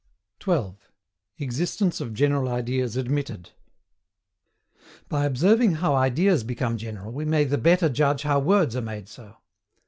] 12. EXISTENCE OF GENERAL IDEAS ADMITTED. By observing how ideas become general we may the better judge how words are made so.